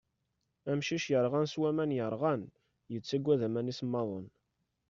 Amcic yerɣan s waman yerɣan, yettagad aman isemmaḍen.